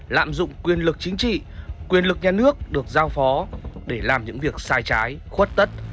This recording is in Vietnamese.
lạm dụng quyền lực chính trị quyền lực nhà nước được giao phó để làm những việc sai trái khuất tất